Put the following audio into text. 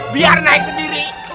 biar naik sendiri